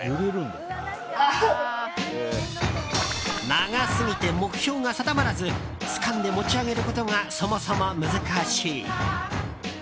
長すぎて、目標が定まらずつかんで持ち上げることがそもそも難しい。